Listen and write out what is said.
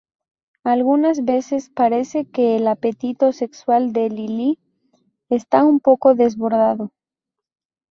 Algunas veces, parece que el apetito sexual de Lily está un poco desbordado.